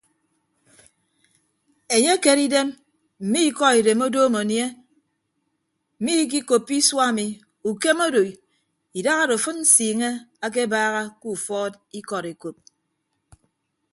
Enye ekere idem mme ikọ idem odoom anie mmikikoppo isua ami ukem odo idahado afịd nsiiñe akebaaha ke ufọọd ikọd ekop.